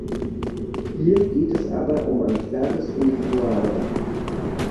Hier geht es aber um ein klares Individualrecht.